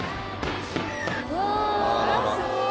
うわすごい！